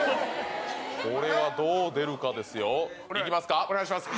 これはどう出るかですよいきますか？